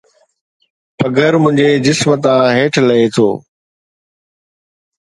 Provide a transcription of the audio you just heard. پگهر منهنجي جسم تان هيٺ لهي ٿو